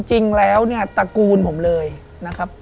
จริงแล้วเนี่ยตระกูลผมเลยนะครับ